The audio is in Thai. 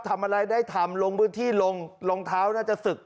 ทำอะไรได้ทำลงพื้นที่ลงรองเท้าน่าจะศึก